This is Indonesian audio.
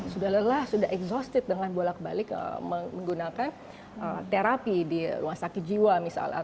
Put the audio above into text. sudah lelah sudah exhausted dengan bolak balik menggunakan terapi di rumah sakit jiwa misalnya